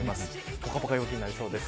ぽかぽか陽気になりそうです。